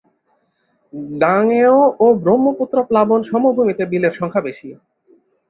গাঙেয় ও ব্রহ্মপুত্র প্লাবন সমভূমিতে বিলের সংখ্যা বেশি।